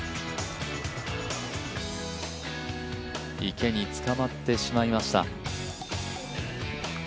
池に捕まってしまいました。